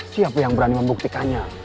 siapa yang berani membuktikannya